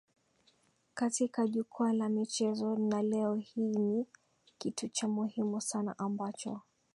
katika jukwaa la michezo na leo hii ni kitu cha muhimu sana ambacho